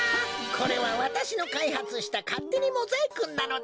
これはわたしのかいはつしたかってにモザイクンなのだ。